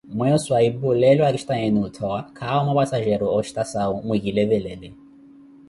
Mweyo swahipu leelo akisitaweeni othowa, kaawo mapsajero ostasau, mwikilevelele.